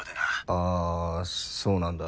ああそうなんだ。